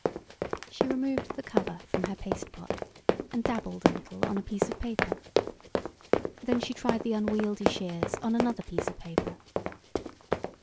She removed the cover from her paste pot and dabbled a little on a piece of paper. Then she tried the unwieldy shears on another piece of paper.